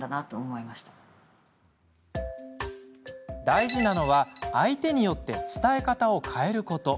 大事なのは相手によって伝え方を変えること。